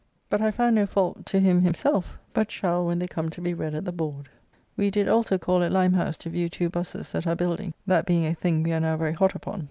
But I found no fault to him himself, but shall when they come to be read at the Board. We did also call at Limehouse to view two Busses that are building, that being a thing we are now very hot upon.